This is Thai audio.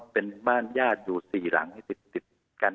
เป็นบ้านญาติอยู่สี่หลังผลังติดการ